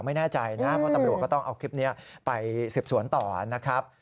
ไม่แน่ใจนะเพราะตำรวจก็ต้องเอาคลิปนี้ไปสืบสวนต่อนะครับ